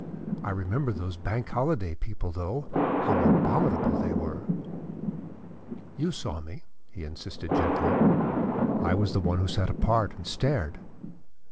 "I remember those Bank Holiday people, though, how abominable they were." "You saw me," he insisted gently. "I was the one who sat apart and stared."